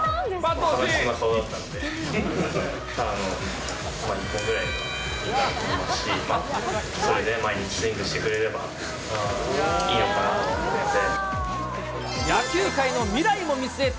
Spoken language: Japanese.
それで毎日スイングしてくれればいいのかなと思って。